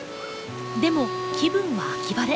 でも気分は秋晴れ。